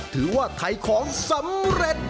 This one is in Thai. ถือว่าขายของสำเร็จ